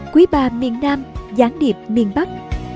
quý bà miền nam gián điệp miền bắc